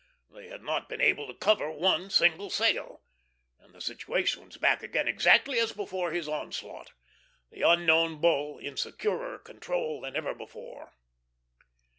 They had not been able to cover one single sale, and the situation was back again exactly as before his onslaught, the Unknown Bull in securer control than ever before.